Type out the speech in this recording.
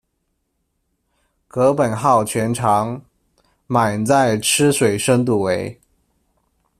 格本号全长、，满载吃水深度为。